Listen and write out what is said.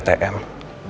tentu aja udah udah